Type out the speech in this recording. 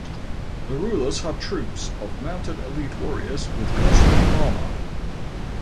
The rulers had troops of mounted elite warriors with costly armour.